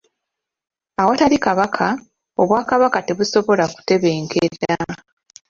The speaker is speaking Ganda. Awatali Kabaka, obwakabaka tebusobola kutebenkera.